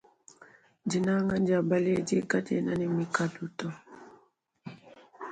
Dinanga dia baledi kadiena ne mikalu to.